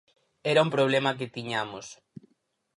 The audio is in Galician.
Era un problema que tiñamos.